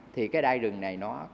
thì cái đai rừng này nó